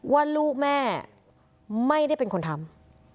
ว่าลูกแม่ไม่ได้เป็นคนทำ